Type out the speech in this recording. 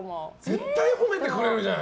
絶対褒めてくれるじゃん。